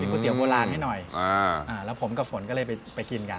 ๋วเตี๋ยโบราณให้หน่อยแล้วผมกับฝนก็เลยไปกินกัน